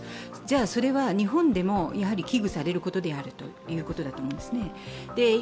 それは日本でも危惧されることであるということだと思うんですね。